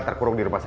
kau tak bisa mencoba